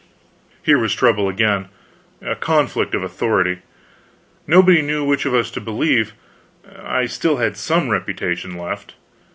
Here was trouble again a conflict of authority. Nobody knew which of us to believe; I still had some reputation left.